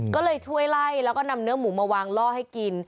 ก็เลยช่วยไล่แล้วก็นำเนื้อหมูมาวางล่อให้กิน